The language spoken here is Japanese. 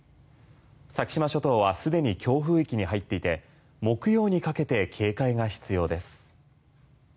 先島諸島は既に強風域に入っていて木曜にかけて警戒が必要です。